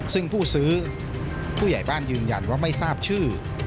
ซึ่งผู้ซื้อผู้ใหญ่บ้านยืนยันว่าไม่ทราบชื่อ